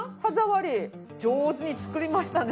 上手に作りましたね。